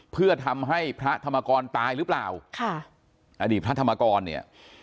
เพื่อทำให้พระธรรมกรตายหรือเปล่าค่ะอดีตพระธรรมกรเนี่ย